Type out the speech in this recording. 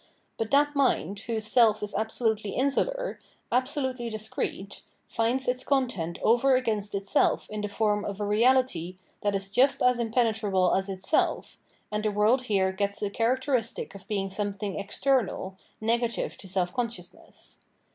But that mind, whose self is absolutely insular, absolutely discrete, finds its content over against itself in the form of a reahty that is just as impenetrable as itself, and the world here gets the characteristic of being some thing external, negative to self consciousness.